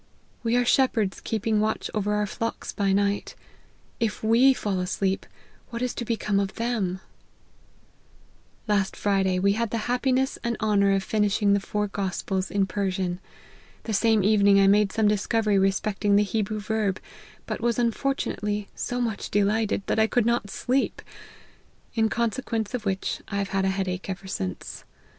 We are shepherds keeping watch over our flocks by night : if we fall asleep what is to become of them !"" Last Friday we had the happiness and honour of finishing the four gospels in Persian. The same evening I made some discovery respecting the Hebrew verb, but was unfortunately so much de lighted, that I could not sleep ; in consequence of which, I have had a head ache ever since.